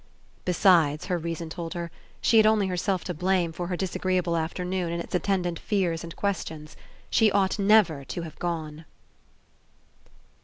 Besides, her reason told her, she had only herself to blame for her disagreeable aft ernoon and Its attendant fears and questions. She ought never to have gone.